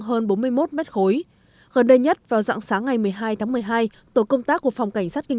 có hơn bốn mươi một mét khối gần đây nhất vào dặn sáng ngày một mươi hai một mươi hai tổ công tác của phòng cảnh sát kinh